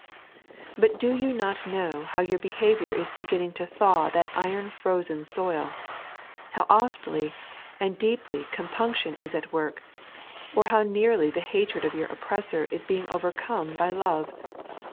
But you do not know bow your behaviour is beginning to thaw that iron frozen soil, how often and deeply compunction is at work, or bow nearly the batred of your oppressor is being overcome by love.